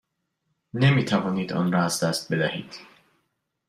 نمی توانید آن را از دست بدهید.